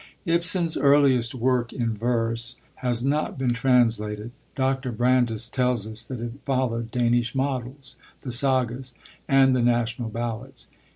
Ibsen's earliest work in verse has not been translated. Dr. Brandes tells us that it followed Danish models, the sagas, and the national ballads.